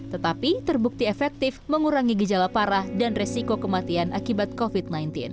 tetapi terbukti efektif mengurangi gejala parah dan resiko kematian akibat covid sembilan belas